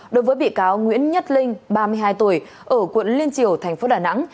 đối với bị cáo nguyễn nhất linh ba mươi hai tuổi ở quận liên triều tp đà nẵng